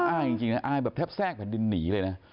อายจริงอายแทบแทรกแบบดินหนีเลยนะ